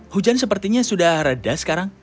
hujan sepertinya sudah reda sekarang